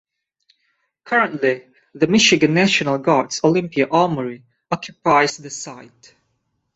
Currently, the Michigan National Guard's Olympia Armory occupies the site.